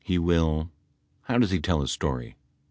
He will — how does he tell his story?